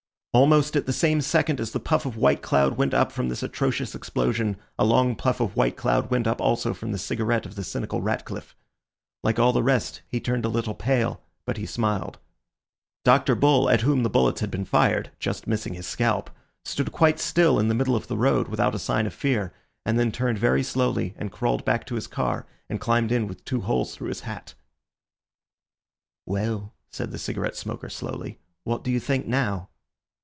Almost at the same second as the puff of white cloud went up from this atrocious explosion a long puff of white cloud went up also from the cigarette of the cynical Ratcliffe. Like all the rest he turned a little pale, but he smiled. Dr. Bull, at whom the bullets had been fired, just missing his scalp, stood quite still in the middle of the road without a sign of fear, and then turned very slowly and crawled back to the car, and climbed in with two holes through his hat. "Well," said the cigarette smoker slowly, "what do you think now?"